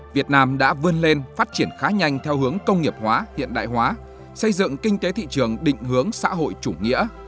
việt nam đã vươn lên phát triển khá nhanh theo hướng công nghiệp hóa hiện đại hóa xây dựng kinh tế thị trường định hướng xã hội chủ nghĩa